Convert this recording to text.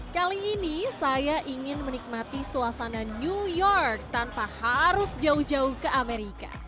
kali ini saya ingin menikmati suasana new york tanpa harus jauh jauh ke amerika